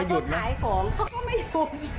แล้วก็ขายของเขาก็ไม่หยุดยอด